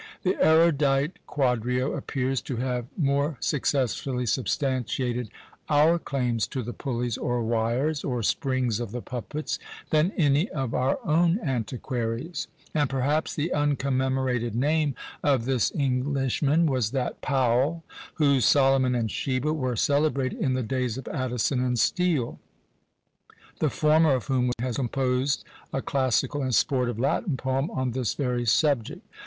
The erudite Quadrio appears to have more successfully substantiated our claims to the pulleys or wires, or springs of the puppets, than any of our own antiquaries; and perhaps the uncommemorated name of this Englishman was that Powell, whose Solomon and Sheba were celebrated in the days of Addison and Steele; the former of whom has composed a classical and sportive Latin poem on this very subject.